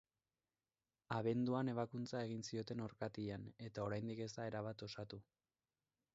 Abenduan ebakuntza egin zioten orkatilan eta oraindik ez da erabat osatu.